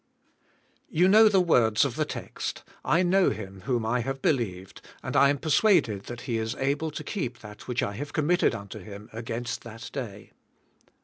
(Prayer.) You know the words of the text, "I know Him, whom I have believed, and I am persuaded that He is able to keep that which I have committed unto Him against that day."